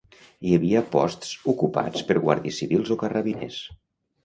Hi havia posts ocupats per guàrdies civils o carrabiners